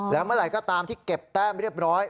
แล้วเมื่อไหร่ก็ตามที่เก็บแต้มเรียบร้อย